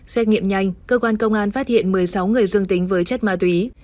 xét nghiệm nhanh cơ quan công an phát hiện một mươi sáu người dương tính với chất ma túy